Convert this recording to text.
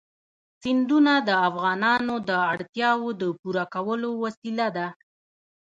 سیندونه د افغانانو د اړتیاوو د پوره کولو وسیله ده.